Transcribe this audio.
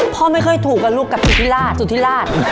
พ่อไม่เคยถูกอ่ะลูกกับสุธิราช